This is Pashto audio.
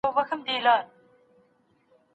د حقیقت په لټه کي له ستونزو مه وېرېږه.